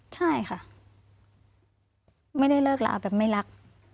ใช่ค่ะไม่ได้เลิกลาแบบไม่รัก